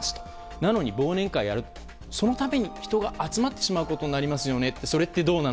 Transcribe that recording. なのに、忘年会をやるとそのために人が集まってしまうことになりますよね。